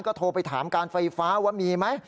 โทรไปถามการไฟฟ้าว่ามีไหม